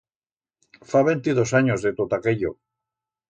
Fa ventidos anyos de tot aquello.